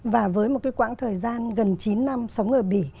và với một cái quãng thời gian gần chín năm sống ở bỉ